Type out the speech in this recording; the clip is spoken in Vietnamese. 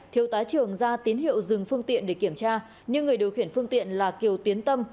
thiếu tá trường ra tín hiệu dừng phương tiện để kiểm tra nhưng người điều khiển phương tiện là kiều tiến tâm